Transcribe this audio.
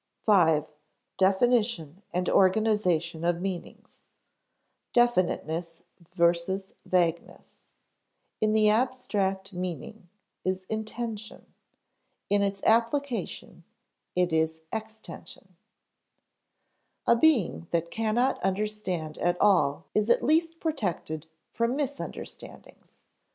§ 5. Definition and Organization of Meanings [Sidenote: Definiteness versus vagueness] [Sidenote: In the abstract meaning is intension] [Sidenote: In its application it is extension] A being that cannot understand at all is at least protected from mis understandings.